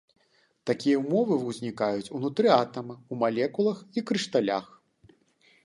Такія ўмовы ўзнікаюць ўнутры атама, у малекулах і крышталях.